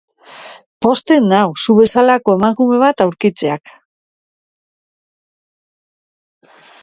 Pozten nau zu bezalako emakume bat aurkitzeak.